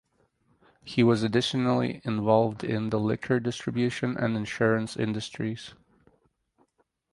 He was additionally involved in the liquor distribution and insurance industries.